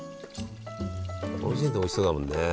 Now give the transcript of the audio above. こうして見るとおいしそうだもんね。